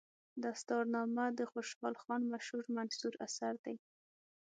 دستارنامه د خوشحال خان مشهور منثور اثر دی.